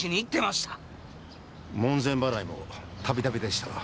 門前払いも度々でしたが。